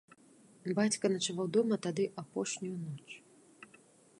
Бацька начаваў дома тады апошнюю ноч.